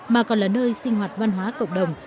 mà còn là nơi sinh hoạt văn hóa cộng đồng